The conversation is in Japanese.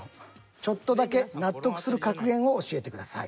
ちょっとだけ納得する格言を教えてください。